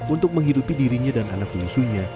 untuk menghidupi dirinya dan anak bungsunya